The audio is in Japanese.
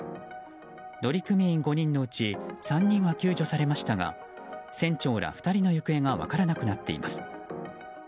乗組員５人のうち３人は救助されましたが船長ら２人の行方が分からなくなっています。